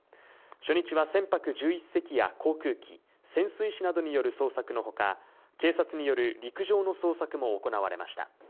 初日は船舶１１隻や航空機、潜水士などによる捜索のほか、警察による陸上の捜索も行われました。